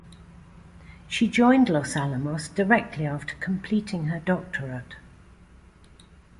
She joined Los Alamos directly after completing her doctorate.